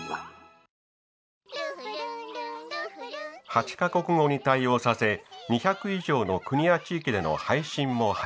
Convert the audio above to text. ８か国語に対応させ２００以上の国や地域での配信も始めた。